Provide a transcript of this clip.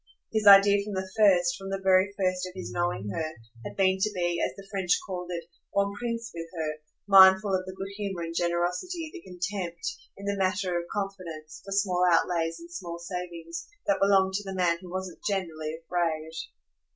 His idea from the first, from the very first of his knowing her, had been to be, as the French called it, bon prince with her, mindful of the good humour and generosity, the contempt, in the matter of confidence, for small outlays and small savings, that belonged to the man who wasn't generally afraid.